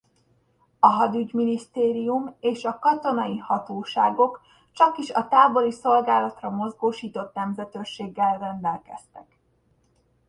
A hadügyminisztérium és a katonai hatóságok csak is a tábori szolgálatra mozgósított nemzetőrséggel rendelkeztek.